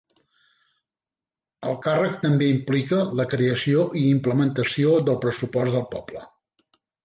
El càrrec també implica la creació i implementació del pressupost del poble.